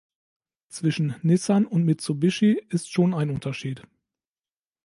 Zwischen Nissan und Mitsubishi ist schon ein Unterschied.